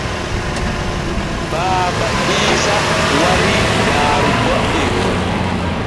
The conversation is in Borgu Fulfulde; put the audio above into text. Baaba Iisa warii daarugo en.